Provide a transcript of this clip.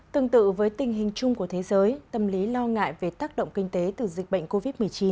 tương tự với tình hình chung của thế giới tâm lý lo ngại về tác động kinh tế từ dịch bệnh covid một mươi chín